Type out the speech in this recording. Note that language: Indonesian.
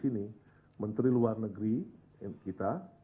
ketua ketua ketua ketua ketua ketua ketua ketua ketua